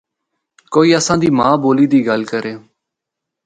کوئی اساں دی ماں بولی دی گل کرے۔